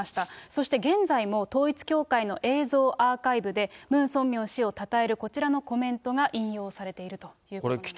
そして現在も統一教会の映像アーカイブで、ムン・ソンミョン氏をたたえるこちらのコメントが引用されているということなんです。